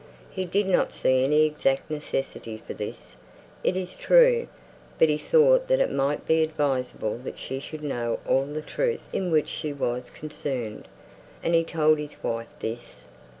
He did not see any exact necessity for this, it is true; but he thought it might be advisable that she should know all the truth in which she was concerned, and he told his wife this.